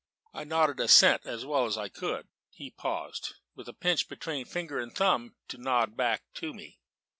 I nodded assent as well as I could. He paused, with a pinch between finger and thumb, to nod back to me.